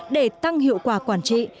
để tăng hiệu quả quản trị